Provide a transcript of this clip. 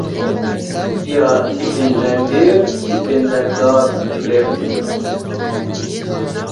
Em bi rêya tîpên dengdêr, tîpên dengdar bi lêv bikin.